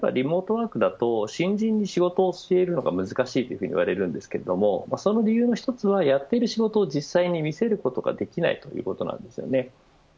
例えばリモートワークだと新人に仕事を教えるのが難しいといわれるんですけれどその理由の一つはやっている仕事を実際に見せることができないということなんですよね。